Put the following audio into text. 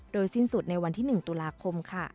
สิ้นสุดในวันที่๑ตุลาคมค่ะ